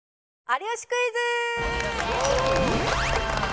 『有吉クイズ』！